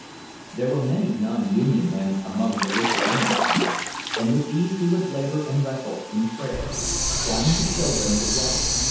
There were many nonunion men among the Lithuanians, and with these he would labor and wrestle in prayer, trying to show them the right.